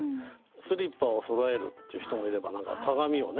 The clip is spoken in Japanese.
スリッパをそろえるっていう人もいれば何か鏡をね